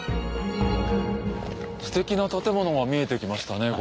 すてきな建物が見えてきましたね